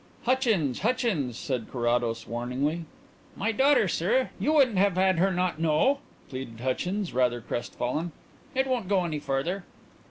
"Hutchins! Hutchins!" said Carrados warningly. "My daughter, sir; you wouldn't have her not know?" pleaded Hutchins, rather crest fallen. "It won't go any further."